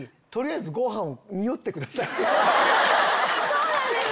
そうなんです！